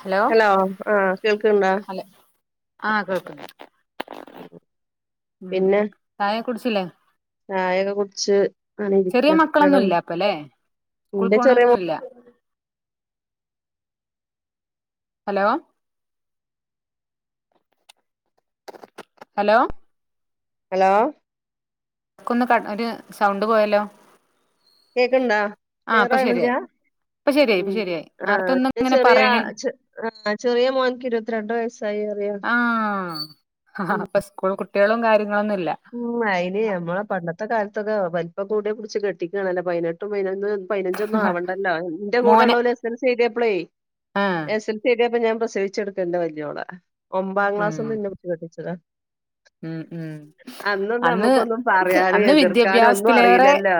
Hello ആഹ് കേൾക്ക്ണ്ടോ ഹല ആഹ് കേൾക്കുണ്ട് ഉഉം പിന്നെ ചായൊക്കെ കുടിച്ചില്ലേ ചായൊക്കെ കുടിച്ച് അങ്ങനെ ചെറിയ ഇരിക്ക മക്കളൊന്നുല്ല അപ്പ അല്ലെ സ്കൂളി ഇന്റെ ചെറിയ മോ പോണൊന്നുമില്ല ഹലോ ഹലോ ഹലോ ക്കൊന്ന് കട്ട് ഒര് സൗണ്ട് പോയല്ലോ. കേക്ണ്ടോ ആഹ് ഇപ്പൊ ശരിയായി ക്ലിയറാവ്ണില്ല്യാ? ഇപ്പൊ ശരിയായി മ് ഇപ്പൊ ശരിയായി ആഹ് നേരത്തെ ഒന്നും ഇന്റെ ഇങ്ങനെ ചെറിയാ പറയണ ചെ ആഹ് ചെറിയ മോൻക്ക് ഇരുപത്തിരണ്ട് വയസ്സായി പറയാ. ആഹ്. ഹ ഹ അപ്പ സ്കൂൾ കുട്ട്യേളും കാര്യങ്ങളൊന്നുംല്ല. മ് അയിന് ഞമ്മളെ പണ്ടത്തെ കാലത്തൊക്കെ വൽപ്പം കൂടിയാ പുട്ച്ച് കെട്ടിക്കാണല്ലോ പയിനെട്ടും പയിനൊന്നും പയിനഞ്ചൊന്നും ആവണ്ടല്ലോ ക ഇന്റെ മോന് കൂടെള്ളോല് എസ് എൽ സി എഴുത്യേപ്ളേ ആഹ് എസ് എൽ സി എഴുത്യേപ്പം ഞാൻ പ്രസവിച്ച് കട്ക്കാ ഇന്റെ വല്യോളെ. ഒമ്പാം ക്ലാസ്സിന്ന് ഇന്നെ പുട്ച്ച് കെട്ടിച്ചതാ. മ് മ്. അന്നൊന്നും അന്ന് നമുക്കൊന്നും പറയാനും അന്ന് എതിർക്കാനും ഒന്നും വിദ്യാഭ്യാസത്തിലേറെ അറിയില്ലല്ലോ.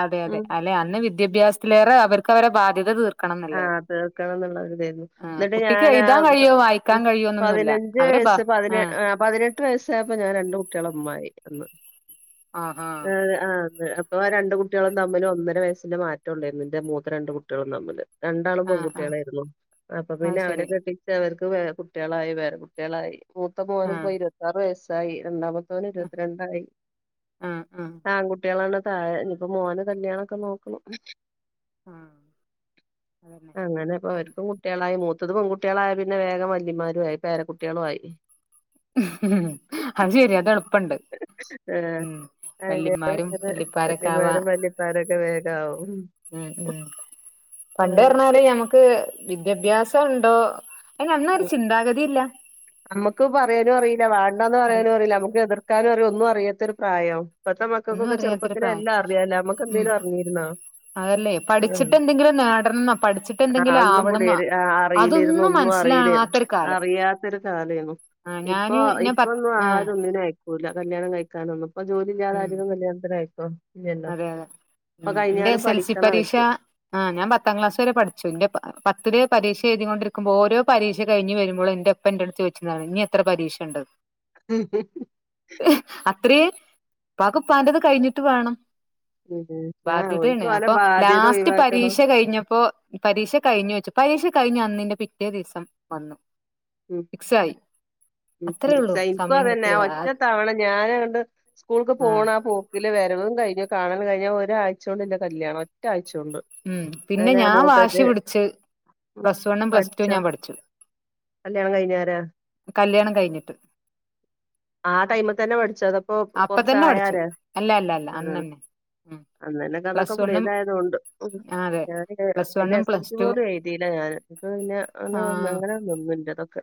അതെയതെ ഉം. അല്ലെ അന്ന് വി ദ്യഭ്യാസത്തിലേറെ അവർക്ക് അവരെ ബാധ്യത തീർ ആഹ് തീർക്കണം ന്നുള്ള ഒരിതേന്നു. ആ ഇന്നട്ട് കുട്ടിക്ക് ഞാനാ എഴുതാൻ കഴിയോ വായിക്കാൻ പതിന കഴിയോന്നൊന്നുല്ല ഞ്ച് അവരെ ബ വയസ്സ് പതിനേ ആ ആഹ്. പതിനെട്ട് വയസ്സായപ്പം ഞാൻ രണ്ട് കുട്ട്യാളെ ഇമ്മായി അന്ന്. ആഹാ ആഹ് ആഹ് അന്ന് അ പ്പൊ ആ രണ്ട് കുട്ട്യേളും തമ്മിൽ ഒന്നര വയസ്സിന്റെ മാറ്റൊള്ളേര്ന്ന്. ഇന്റെ മൂത്തെ രണ്ട് കുട്ട്യേളും തമ്മില്. രണ്ടാളും ആ ആ പെൺകുട്ട്യേളേര്ന്നു. അപ്പ അത് പിന്നെ അവരെ ശരി കെട്ടി ച്ച് അവർക്ക് വേ കുട്ട്യേളായി പേരകുട്ട്യേളായി മൂത്ത ആ മോനിപ്പോ ഇരുപത്താറ് വയസ്സായി. രണ്ടാമ ത്തോന് ആ ഇരുപത്തിരണ്ടായി. ആ ആ ആൺകുട്ട്യേളാണ്. ആഹ് ഇനി പ്പോ മോന് കല്യാണൊക്കെ നോക്കണം. ആഹ്. അങ്ങനെ ഇപ്പൊ അവര്ക്കും കുട്ട്യേളായി മൂത്തത് പെൺകുട്ട്യേളായ പിന്നെ വേഗം വല്ലിമ്മാരു ആയി. പേര കുട്ട്യേളു ആയി. അത് ശരിയാ അത് എളുപ്പണ്ട് അങ്ങനെ മ്. വല്ലിമാരും വല്ലിപ്പാരൊക്കാവാ വല്യമാരും വല്യപ്പാരൊക്കെ വേഗാവും മ് മ്. പണ്ട് ഉം പർഞ്ഞാല് ഞമ്മക്ക് വിദ്യാഭ്യാസം ഉണ്ടോ അയിനന്നൊരു ഉം ചിന്താഗതിയില്ല. നമ്മുക്ക് പറയാനും അറീല്ല വാണ്ടാന്ന് അറി പറയാനും അറീല്ല. നമുക്ക് എതിർക്കാനും അറീല്ല ഒന്നും അറിയാത്തൊര് പ്രായാവും. ഇപ്പത്തെ ഒന്നും മക്കക്കൊക്കെ അറിയാത്തൊരു ചെറുപ്പത്തിലെ പ്രായം എല്ലാം അറിയാലോ നമ്മക്ക് ഉം എന്തേലും അറിഞ്ഞീര്ന്നോ. അതല്ലേ പഠിച്ചിട്ട് എന്തെങ്കിലും നേടണംന്നോ പഠിച്ചിട്ട് ആഹ് എന്തെങ്കിലും ഒന്നും ആവണംന്നോ പിടിര് അറിയിലിരുന്നു അതൊന്നും ഒന്നും അറിയില് മനസ്സിലാവാ അറിയാത്തൊരു കാലേന്നു. ആഹ് ഇപ്പൊ ഞാന് ഞാൻ പത്ത് ഇപ്പൊന്നും ആഹ് ആരൊ ന്നിനും അയ്ക്കൂല. കല്യാണം കഴിക്കാനൊന്നും ഇപ്പോ ജോലില്ലാതെ ഉം ആരേലും കല്യാണത്തിനയ്ക്കോ. അതെ അതെ മ്. ഇന്റെ എസ് എൽ സി പഠിക്കണം പരീക്ഷ അവർക്ക് ആഹ് ഞാൻ പത്താം ക്ലാസ് വരെ പഠിച്ചു എന്റെ പ പത്തില് പരീക്ഷ എഴുതികൊണ്ടിരിക്കുമ്പോ ഓരോ പരീക്ഷ കഴിഞ്ഞ് വരുമ്പളും ഇന്റെപ്പ ഇന്റെട്ത്ത് ചോയിച്ചീന്നാണ് ഇഞ്ഞ് എത്ര പരീക്ഷണ്ട്ന്ന്. മ് മ് മ് ഹ് അത്രയേ ഉപ്പാക്ക് ഉപ്പാന്റത് കഴിഞ്ഞിട്ട് വേണം. അതെ. ബാധ്യതേണ്. അപ്പൊ ലാസ്റ്റ് പരീക്ഷ കഴിഞ്ഞപ്പോ പരീക്ഷ കഴിഞ്ഞോ ചോയ്ച്ച്. പരീക്ഷ കഴിഞ്ഞ അന്നിന്റെ പിറ്റേ ദിവസം വന്നു. ഫിക്സായി. മ് അത്രേ ഉള്ളൂ വിക്സായി. ഇൻക്കും സമയം അതന്നെ ആ കിട്ടിയത് ആഹ് ഒറ്റത്തവണ ഞാനങ്ങട്ട് സ്കൂൾക്ക് പോണാ പോ ക്കില് വരവും കഴിഞ്ഞു കാണലും കഴിഞ്ഞു ഒരാഴ്ചോണ്ട് ഇന്റെ കല്യാണം ഒറ്റാഴ്ച്ചോണ്ട്. മ് പിന്നെ ഞാൻ വാശി പിടിച്ച് ഉം പ്ലസ് വണ്ണും പ്ലസ് ടും പഠിച്ചാ ഞാൻ പഠിച്ചു. കല്യാണം കയ്ഞ്ഞാരേ? കല്യാണം കയ്ഞ്ഞിട്ട്. ആ ടൈമ് തന്നെ പഠിച്ചോ അതോ ഇപ്പം അപ്പ കൊറച്ച് തന്നെ പഠിച്ചു ആയാരേ. അല്ല അല്ല അല്ല ആഹ്. അന്നന്നെ ഉം അന്നെന്നെ ഒക്കതൊക്കെ പ്ലസ് വണ്ണും പുട്യേതായതോണ്ട് ക മ് ആഹ് അതെ ഞാൻ പിന്നെ പ്ലസ് പിന്ന വണ്ണും S L plus C two പോലും എഴുതിയില്ല ഞാന് എൻക്ക് ആഹ് പിന്നെങ്ങന നിന്നെന്റതൊക്കെ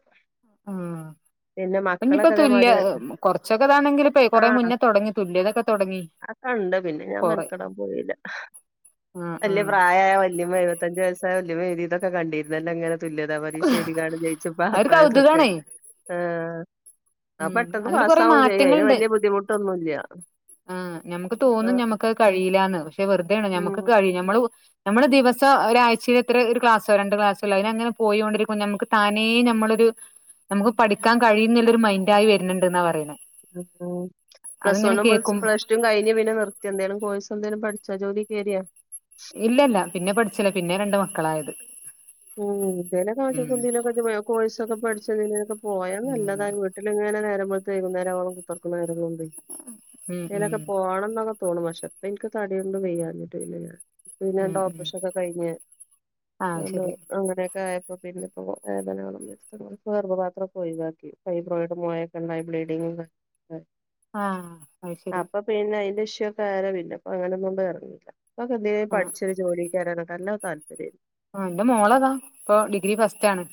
ആഹ് പിന്നപ്പോ തുല്യ കുറച്ചൊക്കെതാണെങ്കില് ആഹ് ആ കണ്ട് പിന്നെ ഞാൻ കൊറേ മെനക്കെടാൻ പോയില്ല ആഹ് വല്യ ആഹ് പ്രായായ വല്ലിമ്മ എഴുപത്തഞ്ച് വയസ്സ് വല്ലിമ്മ എഴ്‌തിതൊക്കെ കണ്ടിര്ന്നല്ലൊങ്ങനെ തുല്യത പരീഷ എയ്തികാണ്ട് ജയ്ച്ച് അതൊരു പാസ്സായതൊക്കെ കൗതുകാണേ ആഹ് അത് ഉം പെട്ടെന്ന് അതില് കൊറെ പാസ്സാവും ചെയ്യും അതിന് മാറ്റങ്ങള്ണ്ട് വല്യ ബുദ്ധിമുട്ടൊന്നുല്ല ആഹ് ഞമ്മക്ക് ഒക്കെ തോന്നും ഞമ്മക്കത് കഴീലാന്ന് പക്ഷെ വെറ്തേണ് ഞമ്മക്ക് ഉം കഴിയും ഞമ്മള് നമ്മള് ദിവസ ഒരാഴ്ചയിലെത്ര ഒരു ക്ലാസ്സോ രണ്ട് ക്ലാസ്സോല്ലേ അയ്നങ്ങനെ പോയോണ്ടിരിക്കും ഞമ്മക്ക് താനേ ഞമ്മളൊരു നമ്മക്ക് പഠിക്കാൻ കഴിയുന്ന്ല്ലൊര് മൈൻഡായി വര്ന്ണ്ട്ന്നാ പറിണെ ഉം ഹും പ്ലസ് വണ്ണും പ്ല പ്ലസ് റ്റും കയ്ഞ്ഞ് പിന്നെ നിർത്യോ ന്തേലും കോഴ്‌സെന്തേലും പഠിച്ചോ ജോലി കേറിയോ ഇല്ലല്ല പിന്നെ പഠിച്ചില പിന്നെ രണ്ട് മക്കളായത് ഉം ന്തേലൊക്കെ ഉം [unintelligible] കോഴ്സൊക്കെ പഠിച്ച് ന്തിനേലൊക്കെ പോയാ ഉം നല്ലതാ ട്ടില്ങ്ങനെ നേരമ്പെള്ത്ത് വൈകുന്നേരാവോളം കുത്തർക്ണേരം കൊണ്ടേയ് ഉം ഉം ക്കേലൊക്കെ പോണന്നൊക്കെ തോണും പക്ഷെ പ്പിൻക്ക് തടിയോണ്ടും വയ്യാഞ്ഞിട്ട് പിന്നെ പിന്നെ ഉം ഉം രണ്ടോപ്പർഷൊക്കെ കയിഞ്ഞ് ആഹ് അതോണ്ട് ശരി അങ്ങനെക്കെ ആയപ്പൊ പിന്നെപ്പൊ വേദനകളും വെര്ത്തപ്പൊ ഗർഭപാത്രൊക്കെ ഒയിവാക്കി ഫൈബ്രോയിഡ് മൊഴക്കെണ്ടായി ബ്ലീഡിങ്ങ് [unintelligible] ആഹ് അയ് ശരി പിന്നെ അയ്ന്റെ ഇഷ്യൊക്കായാരെ പിന്നെപ്പങ്ങനൊന്നും ഇറങ്ങീല പ്പൊ ക്കെന്തിനേം ആഹ് പഠിച്ച് ജോലി കേരാനൊക്കെ നല്ല താല്പര്യ ആഹ് ഇന്റെ മോളേതാ പ്പൊ ഡിഗ്രി ഫസ്റ്റാണ്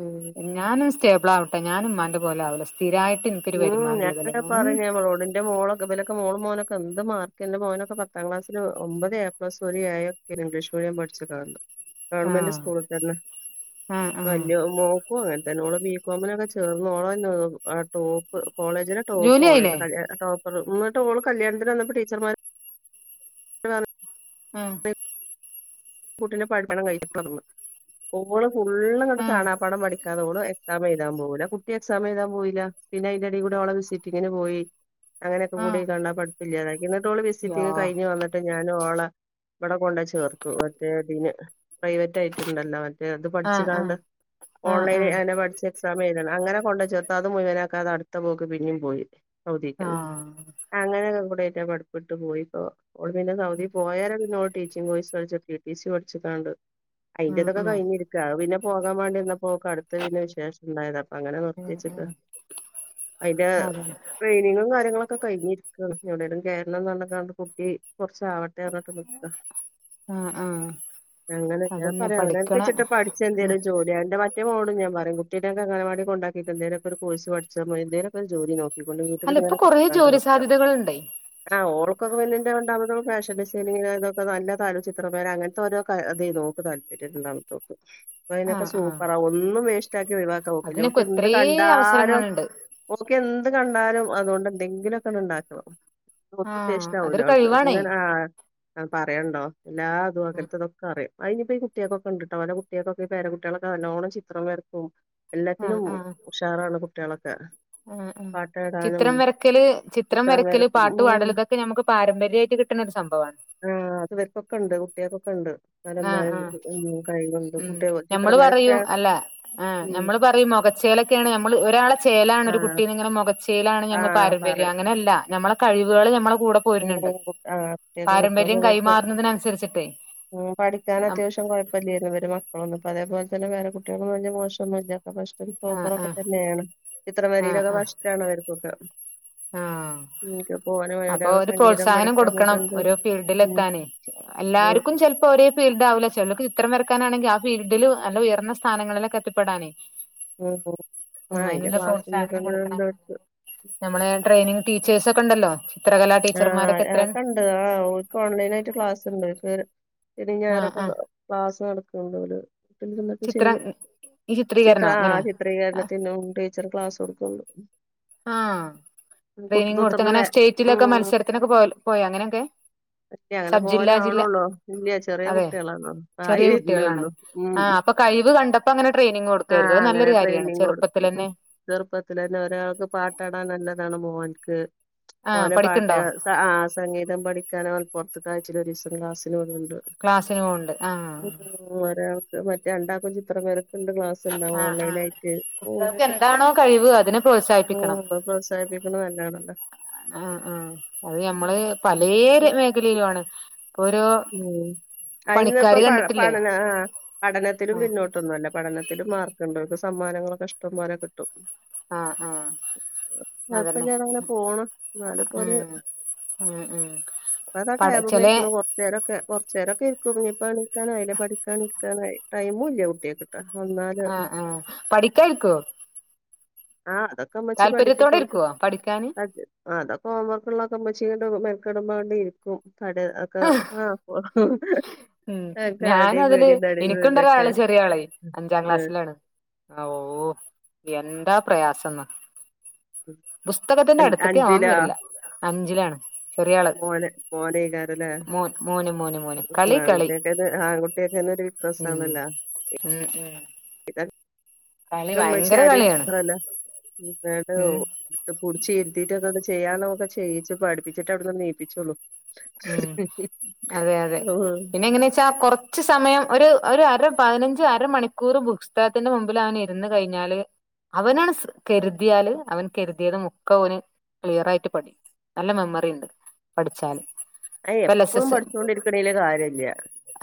ഉം ഞാനൊന്ന് സ്റ്റേബിളാവണം ഞാന് മ്മാന്റെ പോലാവൂല സ്ഥിരായിട്ട് എനിക്കൊരു ഉം വരുമാനം ഉള്ളതല്ലേ ഞാന് ഒന്ന് പറിഞ്ഞ് ഇവളോട് ന്റെമോളൊക്കെ ബലൊ മോള് മോനൊക്കെ എന്ത് മാർക്ക്ന്റെ മോനൊക്കെ പത്താം ക്ലാസ്സില് ഒമ്പത് എ പ്ലസും ഒര് എ യും ഇംഗ്ലീഷ് മീഡിയം പഠിച്ച്കാണ്ട് ഗവൺമെന്റ് ആഹ് സ്കൂള് തന്നെ ആഹ് ആഹ് വല്യോ മോ പ്പൊ അങ്ങൻത്തന്നെ ഓള് ബികോമിനൊക്കെ ചേർന്ന് ഓളെന്നെ ടോപ്പ് കോളേജിലെ ടോപ്പ് ജോലി ആയില്ലേ ഓളേന്നു ടോപ്പർ ന്നട്ട് ഓളെ കല്യാൺത്ത്ന് വന്നപ്പോ ടീച്ചർമാര് ആഹ് കുട്ടീനെ. [unintelligible] ഓള് ഫുള്ള്ങ്ങട്ട് ആഹ് കാണാപ്പാഠം പഠിക്കാ ഓള് സാമെയ്താ പോവൂല്ല കുട്ടി എക്സാമെയ്താൻ പോയീല പിന്നെ അയ്ന്റെടി കൂടെ ഓളെ വിസിറ്റിങ്ങിന് പോയി അങ്ങനെക്കെക്കൂടി ആഹ് അയ്ക്കാണ്ടാ പഠിപ്പില്ലാതാക്കി ന്നട്ടോള് യാ വിസിറ്റിങ് കയ്ഞ്ഞ് വന്ന് ട്ട് ഞാന് ഓളെ ബടെ കൊണ്ടേ ചേർത്തു പ്രൈവറ്റായിറ്റ്ണ്ടല്ലോ മറ്റേ ത് ആഹ് ആഹ് പഠിച്ച്കാണ്ട്. ആഹ് ഓൺലൈൻ. ആഹ് [unintelligible] ച്ച് എക്സാമെയ്ത്ണെ അങ്ങനെ കൊണ്ടെ ചേർത്തു അതും മുയിവനാക്കാതെ അട്ത്ത പോക്ക് പിന്നിം പോയി സൗദിക്കെ ആഹ് അങ്ങനെക്കെക്കൂടായിറ്റ് ആ പഠിപ്പ്ട്ട് പോയിപ്പോ ഓള് പിന്നെ സൗദി പോയാരെ പിന്നെ ഓള് ടീച്ചിങ് കോഴ്സ് പഠിച്ച് ടി ടി സി പഠിച്ച്കാണ്ട് ഉം അയിന്റേതൊക്കെ ഉം കഴിഞ്ഞിരിക്ക പിന്നെ പോകാൻ വാണ്ടി നിന്നപ്പൊ ഓക്ക് അടുത്ത് പിന്നെ വിശേഷണ്ടായത് അപ്പൊ അങ്ങനെ ഉം ഉം നിർത്തിച്ച്ക്കാണ് അയ്ന്റെ അതെ ട്രെയിനിങ്ങും കാര്യങ്ങളൊക്കെ കയ്ഞ്ഞിര്ക്കാണ് എവിടെലും കേര്ണംന്നർഞ്ഞാണ്ട് കുട്ടി കൊർച്ചാവ ആഹ് ആഹ് അങ്ങനെ ഞാൻ അതന്നെ പറിയാ പഠിക്കണ അവനാൻക്കെച്ച്ട്ട് പഠിച്ചെന്തേലു ജോലി ഞാന്റെ മറ്റേ മോളോടും ഞാൻ പറിം കുട്ടിനൊക്കെ അങ്ങനവാടി കൊണ്ടാക്കിറ്റെന്തേലൊക്കൊര് കോഴ്സ് പഠിച്ചാ മതി എന്തേലൊക്കൊര് ജോലി നോ അല്ല പ്പൊ കൊറേ ജോലി സാധ്യതകള്ണ്ടെ ആഹ് ഓൾക്കൊക്കെ ഇന്റെ രണ്ടാമത്തോള് ‌ ഫാഷൻ ഡിസൈൻ [unintelligible] ചിത്രം [unintelligible] അങ്ങൻത്തരോ ക തെയ്ന്നു ഓക്ക് താല്പര്യം രണ്ടാമത്തോക്ക് പ്പയ്നൊക്കെ ആഹ് ആഹ് സൂപ്പറാ ഓ ഒന്നും വേസ്റ്റാക്കി ഒഴിവാക്ക ഓക്കില്ല അതിനൊക്കെ ഓക്കെന്ത് എത്രേ കണ്ടാലും അവസരങ്ങളുണ്ട് ഓക്കെന്ത് കണ്ടാലും അതോണ്ട് എന്തെങ്കിലൊക്കെങ്ങട്ട് ണ്ടാക്കണം ഒന്നും ആഹ് വേസ്റ്റാവൂല അതൊരു ഓൾത് കഴിവാണേ ങ്ങനെ ആ പറയാണ്ടോ എല്ലാതും ഉം അങ്ങൻത്തതൊ ക്കറിം അയ്ഞ്ഞിപ്പൊ ഈ കുട്ട്യാക്കൊക്കെണ്ട്ട്ടോ ഓലെ കുട്ട്യാക്കൊക്കെ ഇ പേരകുട്ട്യാളൊക്കെ നല്ലോണ്ണം ചിത്രം വരക്കും ആഹ് എല്ലത്തിനും ആഹ് ഉഷാറാണ് കുട്ട്യാളൊക്കെ ആഹ് ആഹ് ചിത്രം വരക്കല് ചിത്രം വരക്കല് വരക്കും പാട്ട് ഉം പാടല് ഇതൊക്കെ ഞമ്മക്ക് പാരമ്പര്യായിട്ട് കിട്ട്ണൊരു സംഭവാണ് ആഹ് അത് വര്ക്കൊ ക്കെണ്ട് കുട്ട്യാക്കൊക്കെണ്ട് ഓ ലെ ആഹ് മ്മാരെ ആഹ് കഴിവ്ണ്ട് ഉം കുട്ട്യാ ഞമ്മള് ചിത്രം വരക്കെ പറയും അല്ല ആഹ് ഞമ്മള് പറയും മൊഖച്ചേലൊക്കെണ് ഞമ്മള് ഒരാളെ ചേലാണ് ആ ഒരു കുട്ടിനെങ്ങനെ മൊഖച്ചേലാണ് ആ ഞമ്മളെ പാരമ്പര്യം പറയും അങ്ങനെല്ല ഞമ്മളെ കഴിവാള് ഞമ്മളെ കൂടെ ഉം പോര്‌ണ് ണ്ട് കു- ആ കുട്ടികൾക്ക് പാരമ്പര്യം കൈമാറുന്നതിനനുസരിച്ചിട്ടേ മോൻ നം പഠിക്കാനത്യാവശ്യം കൊഴ പ്പല്ലേര്ന്നു ഇവരെ മക്കളൊന്നും ഇപ്പോ അതേപോലെത്തെന്നെ പേര കുട്ട്യാളോന്നും വെല്യ മോശൊന്നുല്ലാത്ത പക്ഷെ ആഹ് ആഹ് സൂപ്പറൊക്കത്തെന്നെണ് ചിത്രം ആഹ് വരേലൊക്കെ ആഹ് ഫഷ്ടാണ് വര്ക്കൊക്കെ ആഹ് അപ്പൊ [unintelligible] ഒരു പ്രോത്സാഹനം കൊടുക്കണം ഓരോ ഫീൽഡിലെത്താനേ ഉം എല്ലാര്ക്കും ചെൽ പ്പോ ഒരേ ഫീൽഡാവൂല ചെലോർക്ക് ചിത്രം വരക്കാനാണെങ്കി ആ ഫീൽഡില് നല്ല ഉയർന്ന സ്ഥാനങ്ങളിലൊക്കെ എത്തിപ്പെടാൻ ഉം ആ ആഹ് അതിന്റെ അയ്നുള്ള ക്ലാസ്സൊക്കെ പ്രോത്സാഹനം കൊടുക്കണം ഉണ്ട് അവർക്ക് നമ്മളെ ട്രെയിനിങ് ടീച്ചേഴ്സൊക്കെണ്ടല്ലോ ചിത്രകലാ ടീച്ചർമാരൊക്കെത്രെ ണ്ട് ആഹ് ഓൽക്ക് ഓൺലൈനായിട്ട് ക്ലാസ്സ്ണ്ട് ക് ശെനി ആഹ് ഞായറൊക്കെ ക ആഹ് ക്ലാസ്സ് നടക്ക്ണ്ടോല് പിന്നെ [unintelligible] ചിത്രം ചെയ്യും ഈ ചിത്ര ചിത്രീകരണോ അങ്ങനെ ആഹ് ചി ത്രീകരണത്തിനും ടീച്ചറ് ക്ലാസ്സ് കൊടുക്ക്ണ്ട് ആഹ് ട്രെയിനിങ് കൊടുത്ത് അങ്ങനെ സ്റ്റേറ്റിലൊക്കെ ഉം മത്സരത്തിനൊക്കെ പോവല് പോയോ അങ്ങനൊക്കെ ഇല്ല അങ്ങനെ പോവാനാവ്ണൊള്ളു ഇല്ല ചെറിയ അതെ കുട്ട്യാളാണ് ആയി വെര്ണൊള്ളു ഉം ഉം പ്പ കയ്വ് കണ്ടപ്പങ്ങനെ ട്രെയിനിങ് കൊടുക്കര്ത് അത് നല്ലൊരു കാര്യാണ് ചെർപ്പത്തിലെന്നെ ചെർപ്പത്തിലെന്നെ ഒരാൾക്ക് പാട്ട് പാടാൻ നല്ലതാണ് മോൻക്ക് ആഹ് ഓനെ പഠിക്ക്ണ്ടോ പാട്ട് അ ആഹ് സംഗീതം പഠിക്കാൻ അവൻ പൊറ്ത്ത്ക്ക് ആഴ്ചേലൊരിസം ക്ലാസ്സിന് വിട്ണ് ണ്ട് ക്ലാസ്സിന് പോണ് ണ്ട് ആഹ് ഒരാൾക്ക് മറ്റേ രണ്ടാക്കും ചിത്രം വരക്ക്ണ്ട് ക്ലാസ്സ് ആഹ് ആഹ് കുട്ട്യാൾക്ക് എന്താണോ കഴിവ് അതിനെ പ്രോത്സാഹിപ്പിക്കണം പ്രോത്സാഹിപ്പിക്കുന്നത് നല്ലതാണല്ലോ ആഹ് ആഹ് അത് ഞമ്മള് പലെ മേഖലയിലുവാണ് പ്പൊരു ഉം അയിന്നപ്പം പ പഠനാ ആഹ് പഠനത്തിലും ആഹ് പിന്നോട്ടൊന്നുവല്ല പഠനത്തിലും മാർക്ക്‌ണ്ടോൽക്ക് സമ്മാനങ്ങളൊക്കെഷ്ടംപോലെ കിട്ടും ആഹ് ആഹ് അതെന്നെ കുഴപ്പമില്ലാതെ അങ്ങനെ പോണ് എന്നാലിപ്പോ ഉം ഒരു ഉം ഉം പട ചെലെ ചേരൊക്കെ കൊർച്ചേരൊക്കെരിക്കും ഞ്ഞിപ്പൊ ണിക്കാനായില്ലെ പഠിക്കാനിരിക്കാനായി ടൈമും ഇല്ല കുട്ട്യാക്ക് കാക്കു വന്നാൽ ആഹ് ആഹ് പഠിക്കാരിക്കോ ആഹ് താല്പര്യത്തോടെ ഇരിക്കോ പഠിക്കാന്. ആഹ് അതൊക്കെ ഹോംവർക്ക്ള്ളൊക്കെ ഇമ്മച്ചിങ്ങട്ട് മെൻക്കെടുമ്പാണ്ടിരിക്കും അട് അ ആഹ് ആഹ് ഉം ഞാന തില് ഇതൊക്കെ ഇനിക്ക്ണ്ടൊരാള് ചെറിയാള് അഞ്ചാം ക്ലാസ്സിലാണ്. ആവൂ എന്താ പ്രയാസന്ന പുസ്തകത്തിന്റെ അട്ത്ത്ക്ക് അവൻ അഞ്ചിലാ വര്ല്ല അഞ്ചിലാണ് ചെറിയാള് മോന് മോനെയ്കാരല്ലേ മോൻ മോന് മോന് ഉം കളി കളി ആൺകുട്ട്യെക്കെന്നെ ആൺകുട്ട്യെക്കന്നൊരു ഉം വിക്രസാണല്ല. ഉം ഉം കളി ഉമ്മച്ചി ഭയങ്കര കളിയാണ് ആടിര്ക്കണെല്ല [unintelligible] ഉം വും ഇത് പൊട്ച്ചിര്ത്തിട്ടൊക്കാണ്ട് ചെയ്യാൻള്ളൊക്കെ ചെയ്യിച്ച് പഠിപ്പിട്ട് അവട്ന്ന് ണ്ട് നീപ്പിച്ചോള്ളു ഉം അതെ യതെ ഉം പിന്നെ ങ്ങനെച്ചാ കൊർ ച്ച് സമയം ഒര് ഒര് അര പതിനഞ്ച് അര മണിക്കൂറ് ബുക്സ്തകത്തിന്റെ മുമ്പിലവൻ ഇര്ന്ന് കഴിഞ്ഞാല് അവനാണ് സ് കെര്ത്യാല് അവൻ കെരുതിയത് മുക്കോവന് ക്ലിയറായിട്ട് പഠി നല്ല മെമ്മറി ണ്ട് പഠിച്ചാല്. അത് ഇപ്പ ല്ല സ എപ്പളും സ് പഠിച്ചോണ്ടിരിക്കണേല് കാര്യല്ല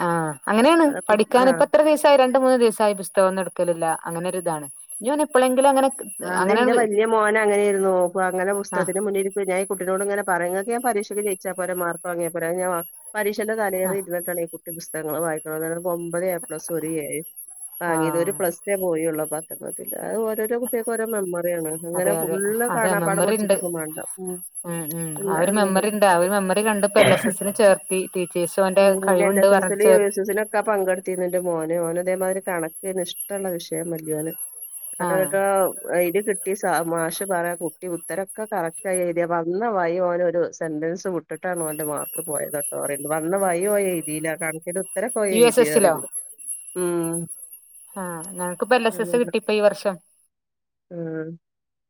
ആഹ് അങ്ങനെണ് അത് കു പഠിക്കാന് ആഹ് ഇപ്പെത്ര ദിവസ് ഇപ്പ രണ്ട് മൂന്ന് ദിവസായി പുസ്തകൊന്നുട്ക്കലില്ല അങ്ങനൊരിതാണ് ഇന്തോന് എപ്പളെങ്കിലങ്ങനെ ആഹ് തെന്റെ വല്യ മോന ങ്ങനേര്ന്നു പ്പൊ അങ്ങനെ ആഹ് പുസ്തകത്തിന് മുന്നിരി [unintelligible] ഞാൻ ഈ കുട്ടിനോട്ങ്ങനെ പറയും ഇങ്ങക്ക് ഞാൻ പരീക്ഷക്ക് ജയിച്ചാ പോരെ മാർക്ക് വാങ്ങ്യാ പോരെ അത് ഞാ വാ പരീക്ഷന്റെ തലേന്ന് ആഹ് ഇര്ന്ന്ട്ടാണ് ഈ കുട്ടി പുസ്തങ്ങങ്ങള് വായിക്കണത് ന്നട്ട് ഒമ്പത് എ പ്ലസും ഒര് എയും വാങ്ങ്യത് ഒര് ആഹ് പ്ലസ്സേ പോയൊള്ളു പത്ത് [unintelligible] അത് ഓരോരോ കുട്ട്യെക്കൊരോ മെമ്മറ്യാണ് ഇങ്ങനെ അതെ അതെ ഫുള്ള് അതെ കാണാപ്പാടം മെമ്മറി ഉണ്ട് പഠിച്ചിട്ടൊന്നും മാണ്ട. ഉം ഉം ഉം ആ ഒര് ഉണ്ടായാ മതി മെമ്മറി ണ്ട് ആ ഒര് മെമ്മറി കണ്ട് പ്പോ എൽ എസ് എസ്സിന് ചേർത്തി ടീച്ചേഴ്സ്നു ഉം എല് എസ് എസ്സിലും യു എസ് എസ്സിലൊ ക്കെ പങ്കെട്ത്തിര്ന്നു ഇന്റെ മോന് ഓന് അതേ മാതിരി കണക്കെന്നു ഇഷ്ടെള്ള വിഷയം വല്യോന് അറ്‌വ ആഹ് [unintelligible] അയ്ല് കിട്ടി സ മാഷ് പറയാ കുട്ടി ഉത്തരൊക്കെ കറക്ടായി എഴ്തിയ വന്ന വയി ഓനൊരു സെൻൻ്റെസ് വിട്ട്ട്ടാണ് ഓന്റെ മാർക്ക് പോയത് [unintelligible] വന്ന വഴി ഓൻ എയ്തീല കണക്കിന്റെ ഉത്തരൊക്കെ ഓൻ യു എസ് എസിലോ എഴുത്യാറിണ്ട് ഉം ആഹ് ഞങ്ങക്ക്പ്പൊ എല് എസ് എസ് അങ്ങനെ കിട്ടി പ്പ ഈ വർഷം. ഉം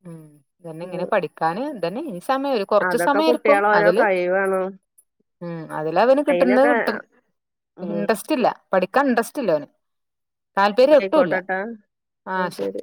ഉം തെന്നെ ഇങ്ങനെ ഉം. പഠിക്കാന് തെന്നെ ഈ സമയം ഒര് കൊർച്ച് അതൊക്കെ സമയം ഇരിക്കും കുട്ടികളെ ഓരോ അതില് കഴിവാണ് ഉം അതിലവന് കിട്ട്ന്നെ അയിനൊക്കെ കിട്ടും. ഉം ഇൻണ്ടസ്റ്റില്ല പഠിക്കാൻ ഇൻണ്ടസ്റ്റില്ല ഓന് ന്നാ താല്പര്യൊട്ടുല്ല ആയിക്കോട്ടെട്ടാ ന്നാ ആഹ് ശെരി ശരി